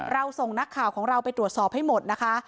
ส่งนักข่าวของเราไปตรวจสอบให้หมดนะคะ